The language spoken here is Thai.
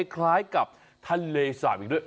คล้ายกับทะเลสาบอีกด้วย